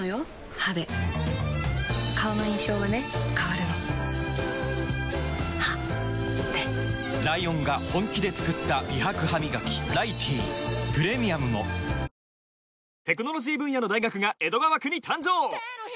歯で顔の印象はね変わるの歯でライオンが本気で作った美白ハミガキ「ライティー」プレミアムも今朝、どこかうつろな目つきで警察署を出る男。